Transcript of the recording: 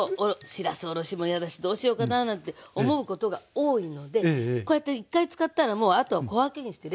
しらすおろしも嫌だしどうしようかなぁなんて思うことが多いのでこうやって１回使ったらもうあとは小分けにして冷凍しとくの。